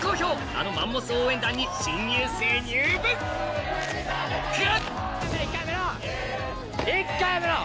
あのマンモス応援団に新入生入部！が！